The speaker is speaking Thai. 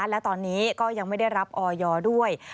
และตอนนี้ก็ยังไม่ได้รับออยด้วย